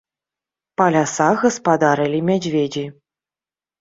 Па лясах гаспадарылі мядзведзі.